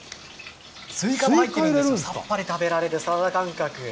スイカも入って、さっぱり食べられるサラダ感覚。